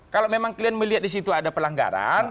kalau memang kalian melihat disitu ada pelanggaran